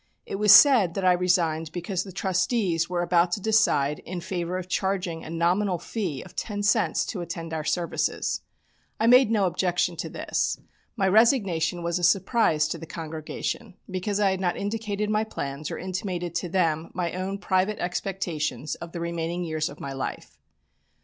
It was said that I resigned because the trustees were about to decide in favour of charging a nominal fee of ten cents to attend our services. I made no objection to this. My resignation was a surprise to the congregation because I had not indicated my plans or intimated to them my own private expectations of the remaining years of my life.